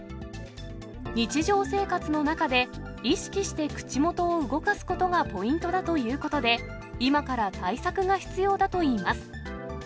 日常生活の中で意識して口元を動かすことがポイントだということで、今から対策が必要だといいます。